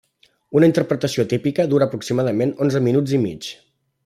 Una interpretació típica dura aproximadament onze minuts i mig.